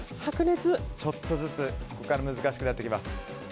ちょっとずつ難しくなっていきます。